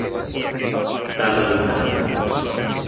Tal i tal.